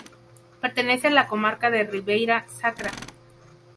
Pertenece a la comarca de Ribeira Sacra.